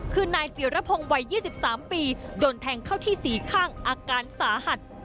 คือนายจิรพงศ์วัย๒๓ปีโดนแทงเข้าที่๔ข้างอาการสาหัส